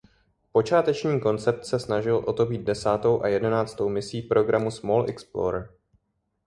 Počáteční koncept se snažil o to být desátou a jedenáctou misí programu Small Explorer.